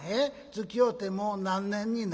つきおうてもう何年になる？